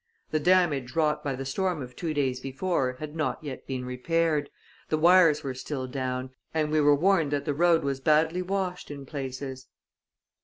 The damage wrought by the storm of two days before had not yet been repaired, the wires were still down, and we were warned that the road was badly washed in places.